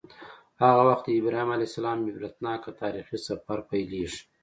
هغه وخت د ابراهیم علیه السلام عبرتناک تاریخي سفر پیلیږي.